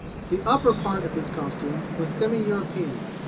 The upper part of his costume was semi European.